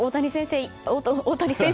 大谷先生。